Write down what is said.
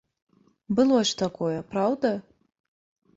Было ж такое, праўда?